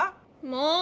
もう！